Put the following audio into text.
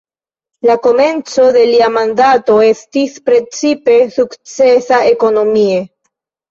La komenco de lia mandato estis precipe sukcesa ekonomie.